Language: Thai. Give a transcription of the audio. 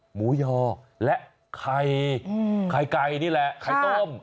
หมูยอและไข่ไข่ไก่นี่แหละไข่ต้ม